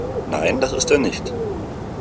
Nein, das ist er nicht.